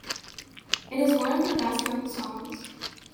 It is one of her best-known songs.